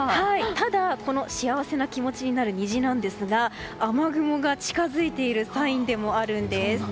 ただ、この幸せな気持ちになる虹なんですが雨雲が近づいているサインでもあるんです。